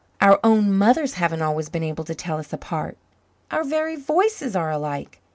Our own mothers haven't always been able to tell us apart. Our very voices are alike.